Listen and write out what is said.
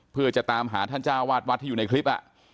เพื่อจะตามหาท่านเจ้าวาดวัดที่อยู่ในคลิป